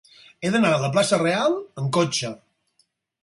He d'anar a la plaça Reial amb cotxe.